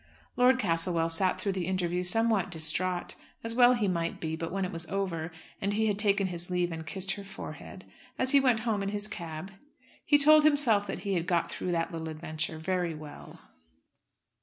Lord Castlewell sat through the interview somewhat distraught, as well he might be; but when it was over, and he had taken his leave and kissed her forehead, as he went home in his cab, he told himself that he had got through that little adventure very well.